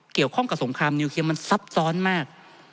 เกี่ยวข้องกับสงครามนิวเคียมันซับซ้อนมาก